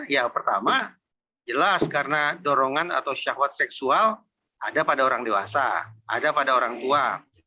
ya pertama jelas karena dorongan atau syahwat seksual ada pada orang dewasa ada pada orang tua